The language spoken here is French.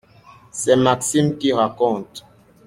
C’est Maxime qui raconte.